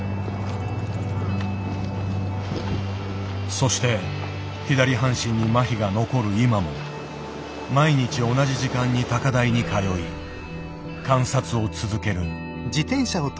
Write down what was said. そして左半身にまひが残る今も毎日同じ時間に高台に通い観察を続ける。